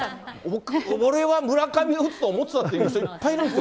俺は村上は打つと思ってたっていう人、いっぱいいるんですよ。